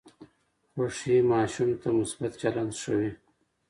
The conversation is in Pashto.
خوښي ماشوم ته مثبت چلند ښووي.